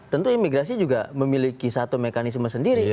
tentu imigrasi juga memiliki satu mekanisme sendiri